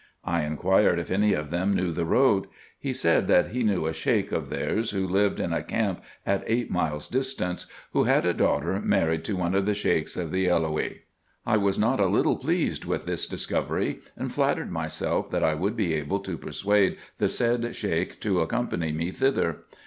I inquired if any of them knew the road ; he said that he knew a Sheik of theirs, who lived in a camp at eight miles distant, who had a daughter married to one of the Sheiks of the Eloah. I was not a little pleased with this discovery, and flattered myself that I would be able to persuade the said Sheik to accom pany me thither.